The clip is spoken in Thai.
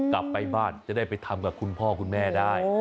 กลับไปบ้านจะได้ไปทำกับคุณพ่อคุณแม่ได้